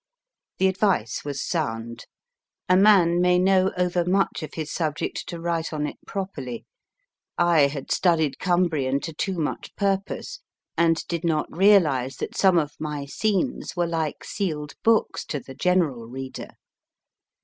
The advice was sound. A man may know over much of his subject to write on it proper!} . I had studied Cumbrian to too much purpose, and did not realise that some of my scenes were like sealed books to the general reader.